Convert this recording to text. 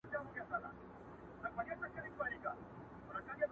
له کماله یې خواږه انګور ترخه کړه،